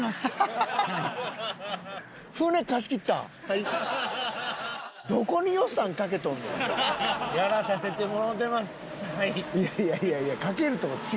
いやいやいやいやかけるとこ違うって。